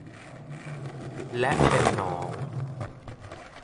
และเป็นหนอง